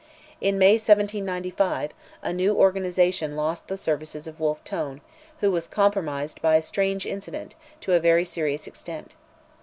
In May, 1795, the new organization lost the services of Wolfe Tone, who was compromised by a strange incident, to a very serious extent.